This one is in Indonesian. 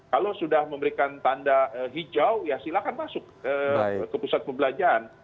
kalau sudah memberikan tanda hijau ya silahkan masuk ke pusat perbelanjaan